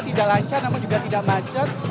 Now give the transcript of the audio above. tidak lancar namun juga tidak macet